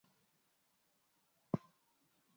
Miaka miwili kuchezea Nacional uko uko Ureno